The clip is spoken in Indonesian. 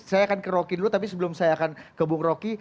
saya akan ke rocky dulu tapi sebelum saya akan ke bung roky